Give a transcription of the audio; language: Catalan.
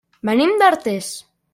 Venim d'Artés.